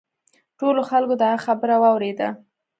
ټولو خلکو د هغه خبره واوریده.